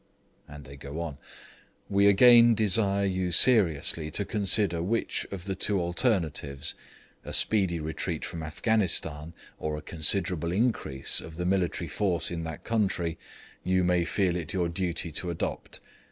And they go on: 'We again desire you seriously to consider which of the two alternatives (a speedy retreat from Afghanistan, or a considerable increase of the military force in that country) you may feel it your duty to adopt.